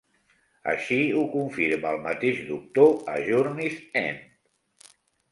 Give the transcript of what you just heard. Així ho confirma el mateix doctor a "Journey's End".